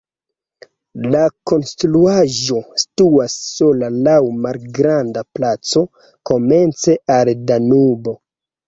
La konstruaĵo situas sola laŭ malgranda placo komence al Danubo.